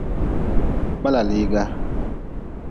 Kpalaliga.